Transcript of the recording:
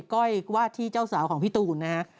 ก้อยวาดที่เจ้าสาวของพี่ตูนนะฮะ